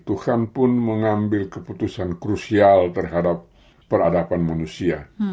tuhan pun mengambil keputusan krusial terhadap peradaban manusia